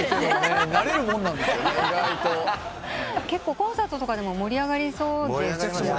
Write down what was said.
コンサートとかでも盛り上がりそうですよね。